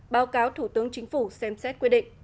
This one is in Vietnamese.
báo cáo thủ tướng chính phủ xem xét quy định